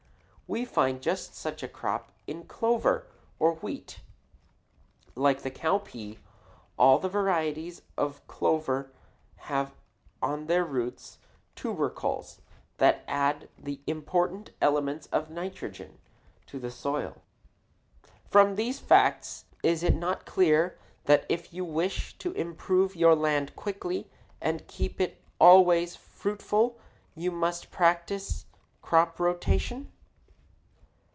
We find just such a plant in clover or wheat. Like the cowpea, all the varieties of clover have on their roots tubercles that add the important element, nitrogen, to the soil. From these facts is it not clear that if you wish to improve your land quickly and keep it always fruitful you must practice crop rotation?